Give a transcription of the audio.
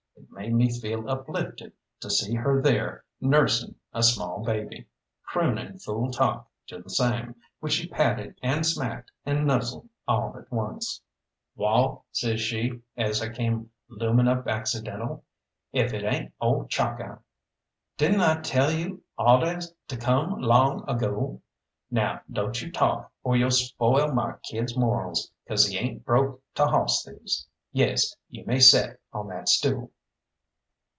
It made me feel uplifted to see her there nursing a small baby, crooning fool talk to the same, which she patted and smacked and nuzzled all at once. "Wall," says she, as I came looming up accidental, "ef it ain't ole Chalkeye! Didn't I tell you awdehs to come long ago? Now don't you talk, or you'll spoil my kid's morals, 'cause he ain't broke to hawss thieves. Yes, you may set on that stool."